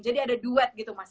jadi ada duet gitu mas